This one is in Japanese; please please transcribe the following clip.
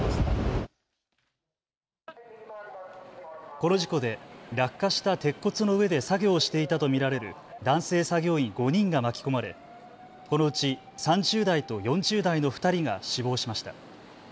この事故で落下した鉄骨の上で作業していたと見られる男性作業員５人が巻き込まれこのうち３０代と４０代の２人が死亡しました。